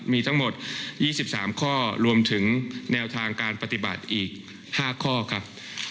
มีทั้งหมด๒๓ข้อรวมถึงแนวทางการปฏิบัติอีก๕ข้อครับ